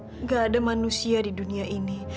tidak ada manusia di dunia ini